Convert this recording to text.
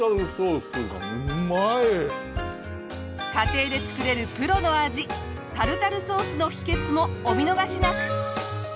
家庭で作れるプロの味タルタルソースの秘訣もお見逃しなく！